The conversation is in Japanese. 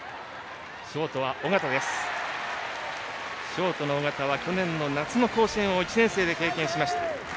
ショートの緒方は去年の夏の甲子園を１年生で経験しました。